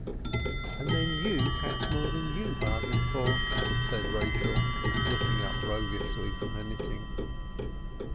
"And then, you catch more than you bargain for," said Rachel, looking up roguishly from her knitting.